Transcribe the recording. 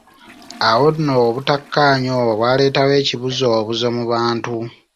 Awo nno obutakkaanya obwo bwaleetawo ekibuzoobuzo mu bantu.